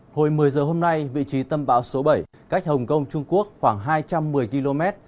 hồi một mươi giờ hôm nay vị trí tâm bão số bảy cách hồng kông trung quốc khoảng hai trăm một mươi km